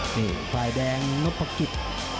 นี่ฝ่ายแดงนพกิจ